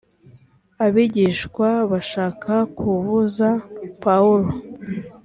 abigishwa bashaka kubuza pawulo